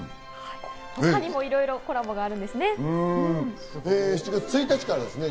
他にもいろいろコラボがあるんですね。